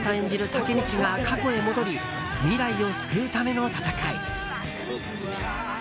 タケミチが過去へ戻り未来を救うための戦い。